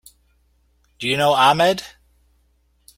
Do you know Ahmed?